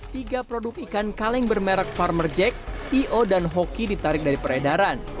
tiga produk ikan kaleng bermerak farmer jack ayo dan hoki ditarik dari peredaran